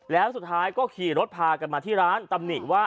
แล้วสุดท้ายก็ขี่รถพากันมาที่ร้านตำหนิว่า